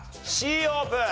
Ｃオープン。